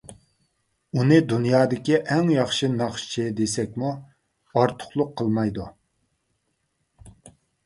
ئۇنى دۇنيادىكى ئەڭ ياخشى ناخشىچى دېسەكمۇ ئارتۇقلۇق قىلمايدۇ.